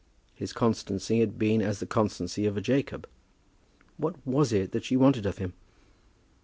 His constancy had been as the constancy of a Jacob! What was it that she wanted of him?